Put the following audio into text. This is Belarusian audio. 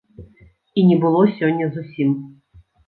І не было сёння зусім.